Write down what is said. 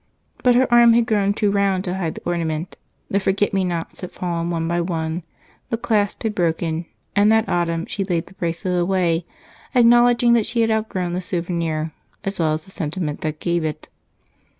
But her arm had grown too round to hide the ornament, the forget me nots had fallen one by one, the clasp had broken, and that autumn she laid the bracelet away, acknowledging that she had outgrown the souvenir as well as the sentiment that gave it.